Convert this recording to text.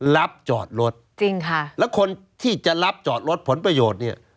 รับจอดรถจริงค่ะแล้วคนที่จะรับจอดรถผลประโยชน์เนี่ย